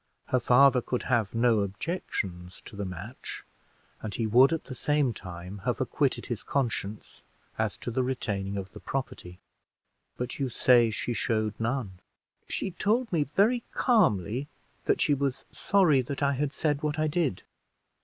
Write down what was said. Her father could have no objections to the match; and he would at the same time have acquitted his conscience as to the retaining of the property: but you say she showed none." "She told me very calmly that she was sorry that I had said what I did."